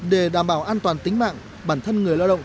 để đảm bảo an toàn tính mạng bản thân người lao động